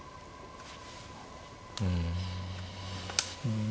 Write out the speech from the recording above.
うん。